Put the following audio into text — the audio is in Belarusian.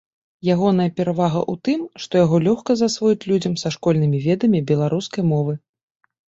Ягоная перавага ў тым, што яго лёгка засвоіць людзям са школьнымі ведамі беларускай мовы.